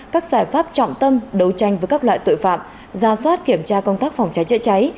các giải pháp trọng tâm đấu tranh với các loại tội phạm ra soát kiểm tra công tác phòng cháy chữa cháy